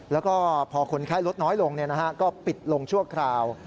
แล้วก็พอคนไข้ลดน้อยลงก็ปิดลงชั่วคราว